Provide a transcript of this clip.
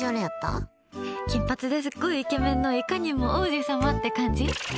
金髪ですごいイケメンのいかにも王子様って感じ。